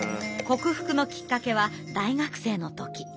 克服のきっかけは大学生の時。